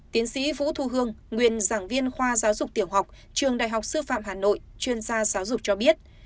tiến sĩ vũ thu hương nguyên giảng viên khoa giáo dục tiểu học trường đại học sư phạm hà nội chuyên gia giáo dục cho biết